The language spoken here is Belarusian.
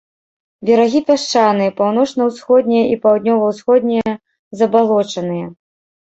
Берагі пясчаныя, паўночна-ўсходнія і паўднёва-ўсходнія забалочаныя.